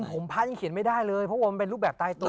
ผมพระยังเขียนไม่ได้เลยเพราะว่ามันเป็นรูปแบบตายตัว